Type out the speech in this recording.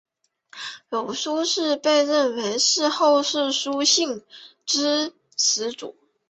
有苏氏被认为是后世苏姓之始祖。